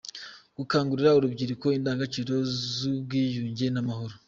Gukangurira urubyiruko indangagaciro z’Ubwiyunge n’Amahoro